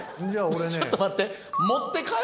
ちょっと待って。